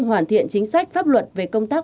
hoàn thiện chính sách pháp luật về công tác